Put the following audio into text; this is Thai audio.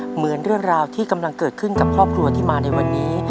เหมือนเรื่องราวที่กำลังเกิดขึ้นกับครอบครัวที่มาในวันนี้